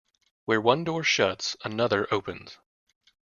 Where one door shuts, another opens.